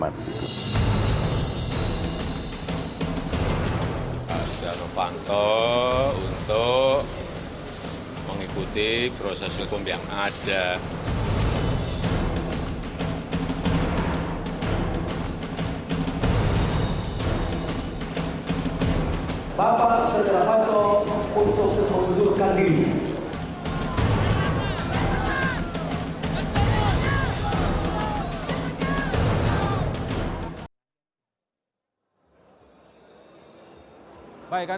ini nanti nunggu munaslupnya kan baru berjalan